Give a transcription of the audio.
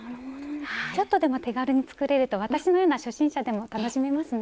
ちょっとでも手軽に作れると私のような初心者でも楽しめますね。